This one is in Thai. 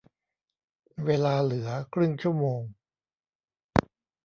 เวลาเหลือครึ่งชั่วโมง